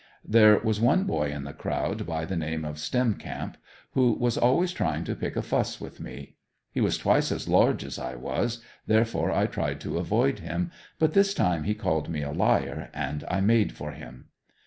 There was one boy in the crowd by the name of Stemcamp who was always trying to pick a fuss with me. He was twice as large as I was, therefore I tried to avoid him, but this time he called me a liar and I made for him.